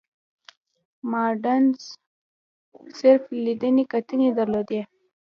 مانډس صرف لیدنې کتنې درلودې.